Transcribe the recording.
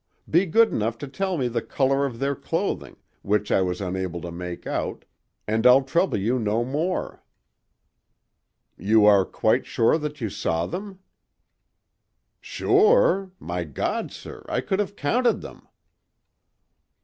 Be good enough to tell me the color of their clothing, which I was unable to make out, and I'll trouble you no more." "You are quite sure that you saw them?" "Sure? My God, sir, I could have counted them!"